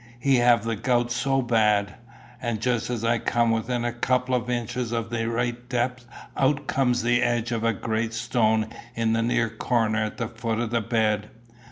He have the gout so bad! and just as I come within a couple o' inches o' the right depth, out come the edge of a great stone in the near corner at the foot of the bed.